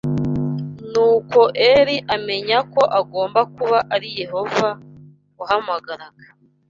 Nuko Eli amenya ko agomba kuba ari Yehova wahamagaraga.